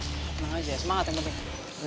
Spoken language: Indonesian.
semangat ya temen temen